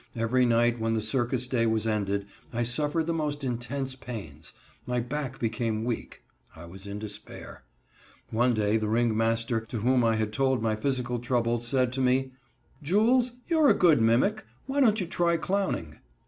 Every night when the circus day was ended, I suffered the most intense pains. My back became weak. I was in despair. One day the ringmaster, to whom I had told my physical troubles, said to me: "Jules, you are a good mimic. Why don't you try clowning?"